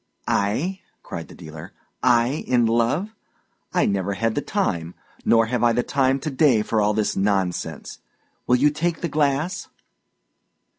"I," cried the dealer. "I in love! I never had the time, nor have I the time to day for all this nonsense. Will you take the glass?"